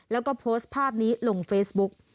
แล้วก็โพสต์ภาพนี้ลงเฟซบุ๊ก